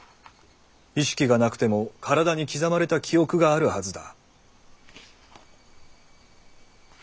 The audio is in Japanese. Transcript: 意識がなくても体に刻まれた記憶があるはずだ。